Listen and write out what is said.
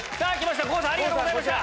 郷さんありがとうございました。